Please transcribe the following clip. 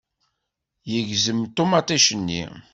Yegzem ṭumaṭic-nni.